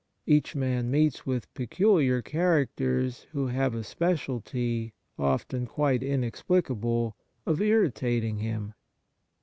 Each man meets with peculiar characters who have a speciality, often quite inexplicable, of irritating him.